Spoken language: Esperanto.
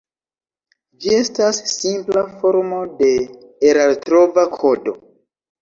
Ĝi estas simpla formo de erartrova kodo.